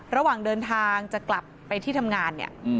ระหว่างเดินทางจะกลับไปที่ทำงานเนี่ย